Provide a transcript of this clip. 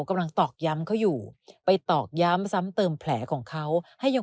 ตอกย้ำเขาอยู่ไปตอกย้ำซ้ำเติมแผลของเขาให้ยก